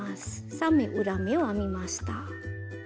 ３目裏目を編みました。